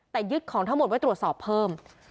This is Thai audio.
แต่ยึดของทั้งหมดไว้ตรวจสอบเพิ่ม